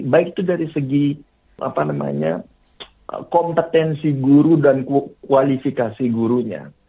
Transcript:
baik itu dari segi kompetensi guru dan kualifikasi gurunya